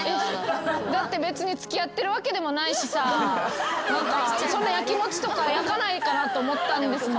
だって別に付き合ってるわけでもないしさそんな焼きもちとか焼かないかなと思ったんですもん。